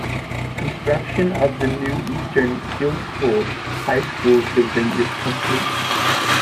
Construction of the new Eastern Guilford High School building is complete.